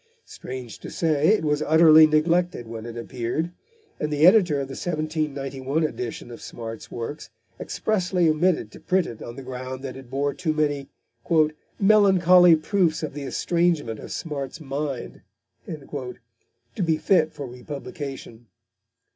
Strange to say, it was utterly neglected when it appeared, and the editor of the 1791 edition of Smart's works expressly omitted to print it on the ground that it bore too many "melancholy proofs of the estrangement of Smart's mind" to be fit for republication.